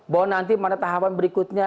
bahwa nanti pada tahapan berikutnya